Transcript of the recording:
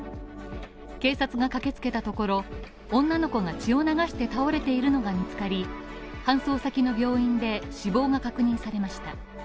警察が駆けつけたところ、女の子が血を流して倒れているのが見つかり、搬送先の病院で死亡が確認されました。